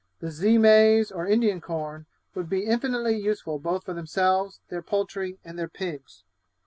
The zea maize, or Indian corn, would be infinitely useful both for themselves, their poultry, and their pigs.